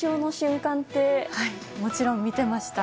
もちろん見ていました。